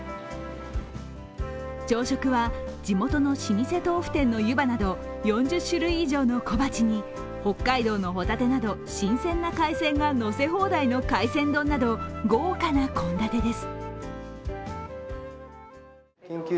朝食は地元の老舗豆腐店の湯葉など４０種類以上の小鉢に北海道のほたてなど新鮮な海鮮がのせ放題の海鮮丼など豪華な献立です。